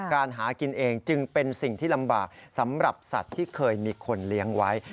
หากินเองจึงเป็นสิ่งที่ลำบากสำหรับสัตว์ที่เคยมีคนเลี้ยงไว้